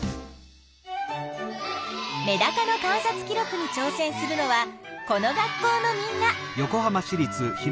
メダカの観察記録にちょう戦するのはこの学校のみんな。